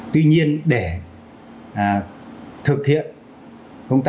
tuy nhiên để thực hiện